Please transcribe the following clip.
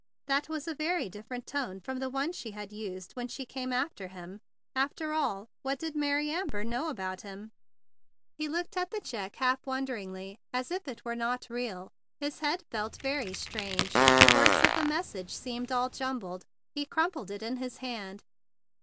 That was a very different tone from the one she had used when she came after him. After all, what did Mary Amber know about him? He looked at the check half wonder¬ ingly as if it were not real. His head felt very queer. The words of the mes¬ sage seemed all jumbled. He crumpled it in his hand.